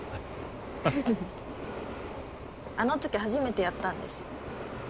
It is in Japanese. あの時初めてやったんです。